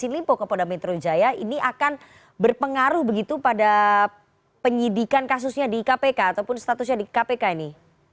silimpo ke polda metro jaya ini akan berpengaruh begitu pada penyidikan kasusnya di kpk ataupun statusnya di kpk ini